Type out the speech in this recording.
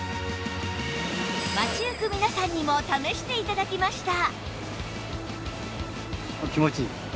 街行く皆さんにも試して頂きました